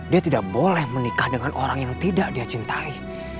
dia tidak boleh menikah dengan orang yang tidak dia cintai